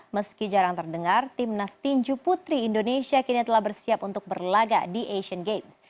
meski jarang terdengar timnas tinju putri indonesia kini telah bersiap untuk berlaga di asian games